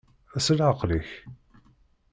S leɛqel-ik.